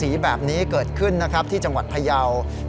ที่จังหวัดพยาวิทยาลัยเกิดขึ้นนะครับที่จังหวัดพยาวิทยาลัยเกิดขึ้นนะครับ